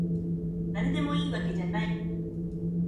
だれでもいいわけじゃない